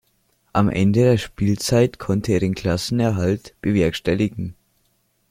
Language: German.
Am Ende der Spielzeit konnte er den Klassenerhalt bewerkstelligen.